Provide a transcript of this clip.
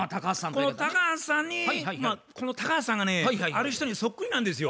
この高橋さんにこの高橋さんがねある人にそっくりなんですよ。